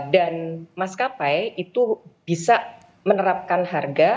dan mas kapai itu bisa menerapkan harga